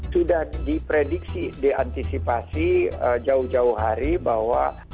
sudah diprediksi diantisipasi jauh jauh hari bahwa